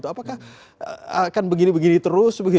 apakah akan begini begini terus